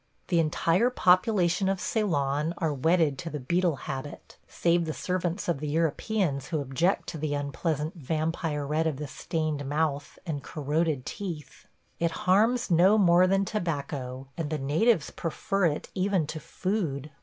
The entire population of Ceylon are wedded to the betel habit, save the servants of Europeans who object to the unpleasant vampire red of the stained mouth and corroded teeth. It harms no more than tobacco, and the natives prefer it even to food.